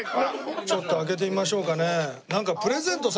ちょっと開けてみましょうかね。